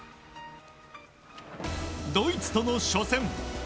ドイツとの初戦。